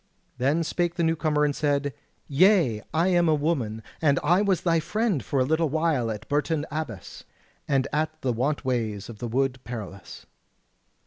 Then spake the new comer and said: "Yea, I am a woman, and I was thy friend for a little while at Bourton Abbas, and at the want ways of the Wood Perilous."